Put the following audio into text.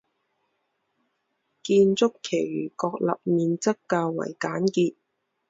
建筑其余各立面则较为简洁。